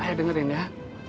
ayah dengerin ya